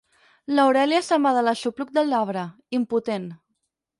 L'Aurèlia se'n va de l'aixopluc de l'arbre, impotent.